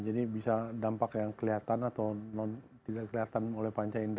jadi bisa dampak yang kelihatan atau tidak kelihatan oleh pancai indera